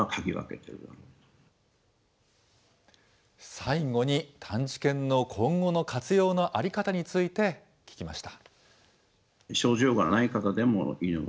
最後に探知犬の今後の活用の在り方について聞きました。